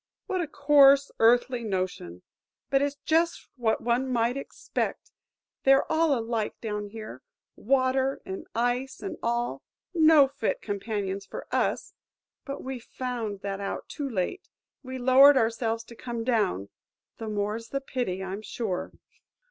"What a coarse, earthy notion! But it 's just what one might expect; they're all alike down here, Water and Ice and all; no fit companions for us; but we've found that out too late. We lowered ourselves to come down,–the more 's the pity, I'm sure!"